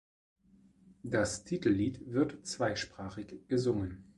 Das Titellied wird zweisprachig gesungen.